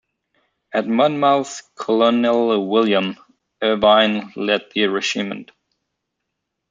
At Monmouth, Colonel William Irvine led the regiment.